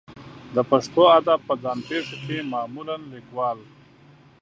د پښتو ادب په ځان پېښو کې معمولا لیکوال